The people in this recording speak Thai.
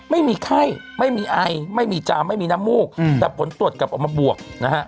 ไม่มีไข้ไม่มีไอไม่มีจามไม่มีน้ำมูกแต่ผลตรวจกลับออกมาบวกนะฮะ